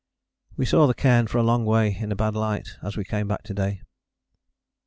We saw the cairn for a long way in a bad light as we came back to day.